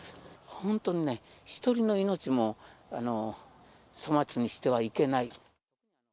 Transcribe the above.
本当にね、一人の命も、粗末にしてはいけない。